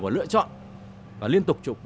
và lựa chọn và liên tục chụp